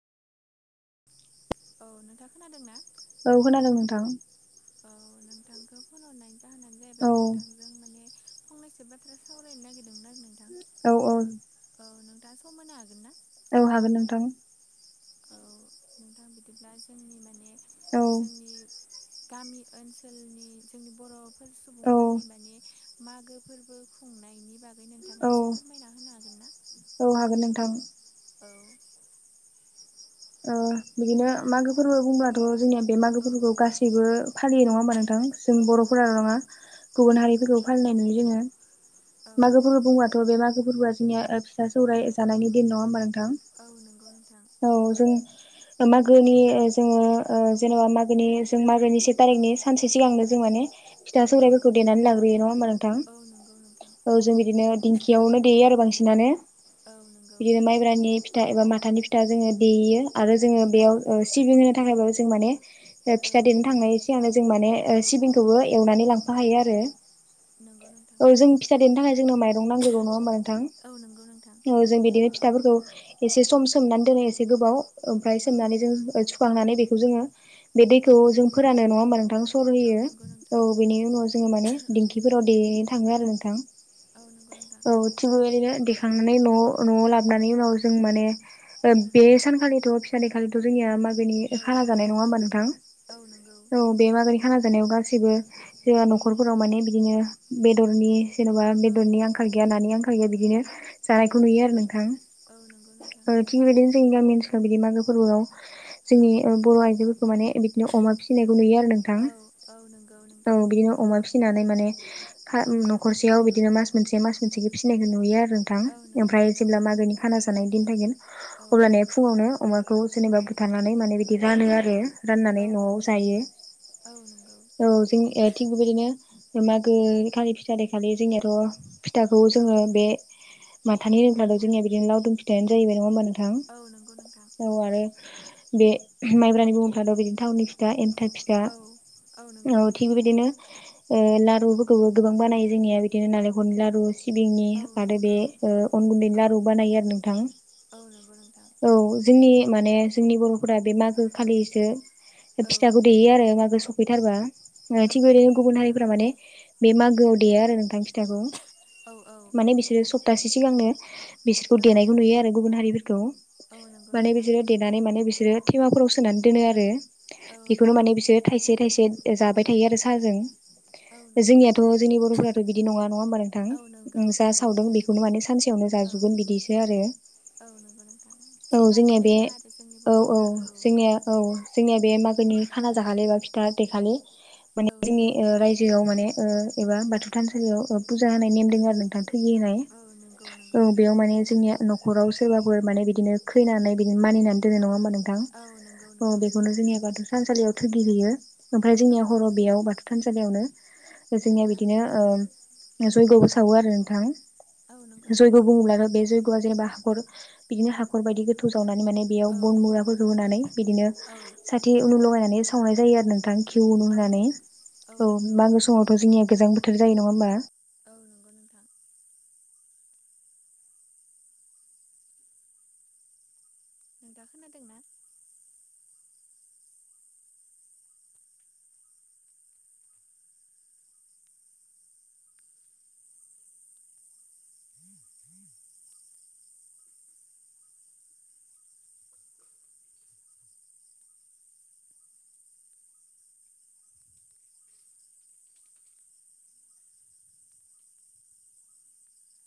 औ नोंथाङा खोनादों ना? औ खोनादों नोंथां औ नोंथांखौ फन हरनायनि जाहोनानो जाहैबाय औ नोंथांजों माने फंनैसो बाथ्रा सावरायनो नागिरदोंमोन आरो नोंथां औ औ औ नोंथाङा सम होनो हागोन ना? औ हागोन नोंथां औ नोंथां बिदिब्ला जोंनि माने औ जोंनि गामि ओनसोलनि जोंनि बर'फोर औ सुबुंफोरनि मानि मागो फोरबो खुंनायनि बा गै औ नोंथाङा एसे फोरमायना होनो हागोन ना? हागोन नोंथां ओ बिदिनो मागो फोरबो बुंब्ला थ' जोंनिया बे औ मागोफोरखौ गासैबो फालियो नङा होमबा नोंथां जों औ नंगौ बर'फोराल' नोंथां नङा औ गुबुन नंगौ हारिफोरखौ फालिनाय नुयो जोङो औ मागोफोरखौ बुङो थ' बे फोरबोआ जोंनि फिथा सौराय जानायनि दिन नङा होमबा नोंथां? औ नंगौ नोंथां। औ जों मागोनि जोङो ओ जेनेबा मागोनि जों मागोनि से एक औ तारिकनि सानसे सिगांनो जों माने फिथा औ सौराइफोरखौ देनानै लाग्रोयो नङा होमबा नोंथां? औ नंगौ नोंथां औ जों बिदिनो दिंखियावनो औ देयो आरो बांसिनानो औ नंगौ बिदिनो माइ ब्रानि फिथा एबा माथानि फिथा जोङो देयो आरो जोङो औ बेयाव ओ सिबिं होनो थाखायबाबो जों माने फिथा औ देनो थांनाय जों माने ओ सिबिंखौबो एवनानै लांफाखायो आरो नंगौ नोंथां ओ जों फिथा देनो थाखाय जोंनो माइरं नांग्रोगौ नङा होमबा औ नंगौ नोंथां ओ जों बिदिनो फिथाफोरखौ एसे सम सोमनानै दोनो एसे गोबाव ओमफ्राय औ सोमनानै जों सुखांनानै बेखौ जोङो बे औ दैखौ नंगौ जों फोरानो नङा होमबा नोंथां सर होयो नंगौ नोंथां औ बेनि नंगौ उनाव जोङो माने औ दिंखि फोराव देनो थाङो आरो नोंथां। औ नंगौ नोंथां। औ थिग बेबायदिनो देखांनानै न'आव न'आव लाबनायनि उनाव जों माने बे सानखालिथ' फिथा देखालिथ' जोंनिया मागोनि औ खाना जानाय नङा होमबा नोंथां? औ नंगौ बे मागोनि खाना जानायाव गासैबो जोंहा न'खरफोराव माने बिदिनो बेदरनि जेन'बा औ बेदरनि आंखाल गैया नानि आंखाल गैया बिदिनो जानायखौ औ नुयो आरो नंगौ नोंथां औ नंगौ नोंथां ओ थिग बेबायदिनो जोंनि गामि ओनसोलाव बिदि मागो फोरबोआव औ जोंनि ओ बर' आइजोफोरखौ माने बिदिनो अमा फिसिनायखौ नुयो आरो नों थां औ औ नंगौ नोंथां औ बिदिनो अमा फिसि फिसिनानै माने औ न'खरसेयाव बिदिनो मास मोनसे मास मोनसेखौ फिसिनायखौ नुयो आरो नोंथां औ नंगौ ओमफ्राय नंगौ जेब्ला नोंथां मागोनि खाना जानाय दिन फायगोन औ अब्लानिया फुङावनो अमाखौ जेनेबा बुथारनानै माने बि बिदि रानो औ आरो औ राननानै न'आव नंगौ औ नंगौ जायो। औ जों थिग बेबायदिनो मागोखालि फिथा देखालि जोंनियाथ' फिथाखौ औ जोङो बे माथानि होनोब्लाथ' जोंनिया बिदिनो लावदुम फिथायानो जाहैबाय नङा होमबा नोंथां? औ नंगौ नोंथां। औ आरो बे माइब्रानि बुङोब्लाथ' बिदिनो थावनि फिथा एनथाब फिथ था औ औ थिग बेबायदिनो ओ लारुफोरखौबो गोबां बानायो जोंनिया बिदिनो नालेंखरनि लारु। सिबिंनि औ आरो नंगौ बे ओ अन औ गुन्दैनि लारु बानायो आरो नोंथां। औ नंगौ नोंथां। औ जोंनि माने जोंनि बर'फोरा बे मागो खालिसो औ फिथाखौ देयो आरो मागो सफैथारबा ओ औ थिग नंगौ बेबादिनो गुबुन नोंथां हारिफोरा माने बे मागोआव देयो आरो नोंथां फिथाखौ औ औ माने बिसोरो सप्तासे सिगांनो बिसोरखौ औ देनायखौ नुयो आरो गुबुन हारिफोरखौ औ नंगौ माने नोंथां बिसोरो देनानै माने बिसोरो थेमाफोराव सोनानै दोनो आरो औ बेखौनो नंगौ माने बिसोर थाइसे थाइसे जाबाय थायो आरो साहाजों। औ नंगौ जोंनियाथ' नोंथां जोंनि बर'फोराथ' बिदि नङा नङा होमबा नोंथां? औ नंगौ जा नंगौ सावदों बेखौनो माने सानसेयावनो औ जाजोबगोन बिदिसो आरो। औ नंगौ नोंथां। औ थिनानै जोंनिया बे दोना आरो जोंनि औ औ बर'फ्रा जोंनिया औ। जोंनिया बे मागोनि खाना जाखालि बा फिथा देखालि माने औ जोंनि नंगौ ओ रायजोआव माने ओ एबा बाथौ थानसालियाव ओ पुजा होनाय नेम औ दोङो आरो नोंथां थोगि होनाय औ नंगौ नंगौ ओ नोंथां बेयाव माने जोंनिया न'खराव सोरबा बो माने बिदिनो खैनानै बिदिनो मानिनानै दोनो नङा होनबा नोंथां औ नंगौ औ नंगौ बेखौनो जोंनिया बाथौ थानसालियाव थोगि हैयो ओमफ्राय औ जोंनिया नंगौ हराव नोंथां बेयाव बाथौ थानसालियावनो जोंनिया बिदिनो औ ओ जयग'बो सावो आरो नोंथां। औ नंगौ जयग' नोंथां बुङोब्लानो बे जयग'आ जेनेबा हाखर बिदिनो हाखर बायदि गोथौ जावनानै माने बेयाव औ बन मुराफोरखौ होनानै बिदिनो औ साथि उनु लगायनानै सावनाय जायो आरो नोंथां। घिउ औ लुहोनानै नों औ मागो समावथ' जोंनिया गोजां बोथोर जायो नङा होमबा? औ नंगौ नोंथां। नोंथाङा खोनादों ना? ह